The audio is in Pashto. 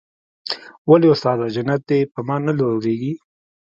ولې استاده جنت دې پر ما نه لورېږي.